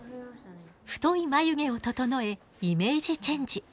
太い眉毛を整えイメージチェンジ。